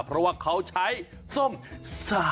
เพราะว่าเขาใช้ส้ม